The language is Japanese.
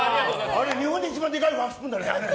あれ日本で一番でかいワンスプーンだよね。